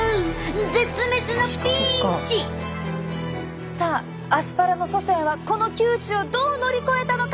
絶滅のピンチ！さあアスパラの祖先はこの窮地をどう乗り越えたのか！？